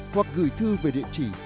hoặc gửi thư về địa chỉ